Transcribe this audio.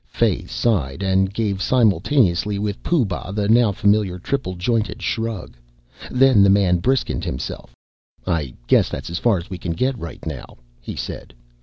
Fay sighed and gave simultaneously with Pooh Bah the now familiar triple jointed shrug. Then the man briskened himself. "I guess that's as far as we can get right now," he said.